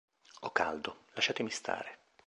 Ho caldo; lasciatemi stare.